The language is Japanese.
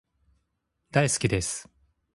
大好きです